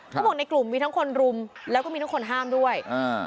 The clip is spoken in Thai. เขาบอกในกลุ่มมีทั้งคนรุมแล้วก็มีทั้งคนห้ามด้วยอ่า